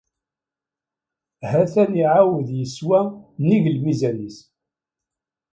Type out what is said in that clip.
Ha-t-an iɛawed yeswa nnig lmizan-is.